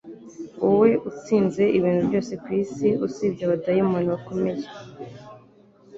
wowe utsinze ibintu byose kwisi usibye abadayimoni bakomeye